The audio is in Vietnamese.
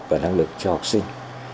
và năng lực cho học sinh